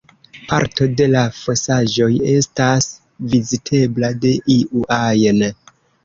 Parto de la fosaĵoj estas vizitebla de iu ajn.